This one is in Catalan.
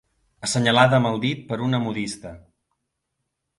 Assenyalada amb el dit per una modista.